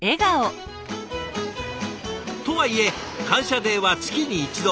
とはいえ「感謝デー」は月に一度。